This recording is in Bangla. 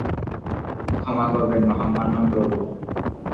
ক্ষমা করবেন, মহামান্য প্রভু!